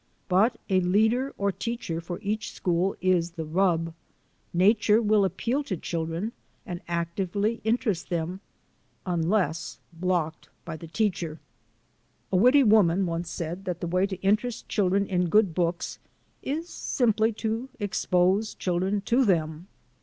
But a leader or teacher for each school is the rub. Nature will appeal to children and actively interest them unless blocked by the leader. A witty woman once said that the way to interest children in good books is simply to expose children to them.